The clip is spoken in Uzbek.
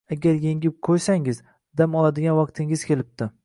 Agar yengib qo'ysangiz, dam oladigan vaqtingiz kelibdi...